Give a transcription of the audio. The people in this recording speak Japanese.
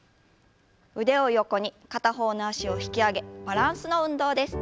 腕を横に片方の脚を引き上げバランスの運動です。